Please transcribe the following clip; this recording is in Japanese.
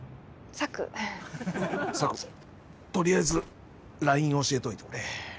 サクとりあえずＬＩＮＥ教えといてくれ。